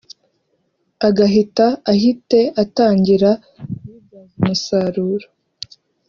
agahita ahite atangira kuyibyaza umusaruro